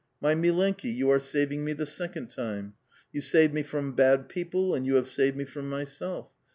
" M}' milenki^ you are saving me the second time ; you saved me from bad people, and you have saved me from myself.